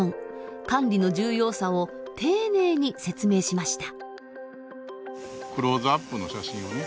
管理の重要さを丁寧に説明しました。